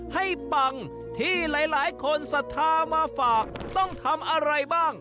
ปังที่หลายคนศรัทธามาฝากต้องทำอะไรบ้าง